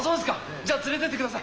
じゃあつれてってください。